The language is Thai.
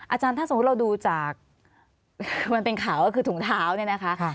อาจารย์ถ้าสมมุติเราดูจากมันเป็นข่าวก็คือถุงเท้าเนี่ยนะคะ